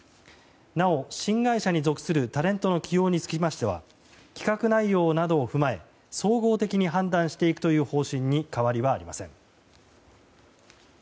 なお新会社に属するタレントの起用につきましては企画内容などを踏まえ、総合的に判断していくという方針に変わりはありません。